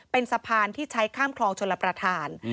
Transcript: เป็นสะพานที่ใช้ข้ามคลองชลประธาน